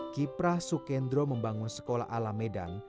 kiprah sukendro membangun sekolah ala medan